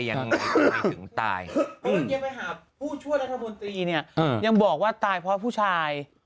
ว่ายังไงถึงตายเพราะเมื่อกี๊ไปหาผู้ช่วยรัฐบนตรีเนี่ยยังบอกว่าตายเพราะผู้ชาย